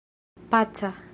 paca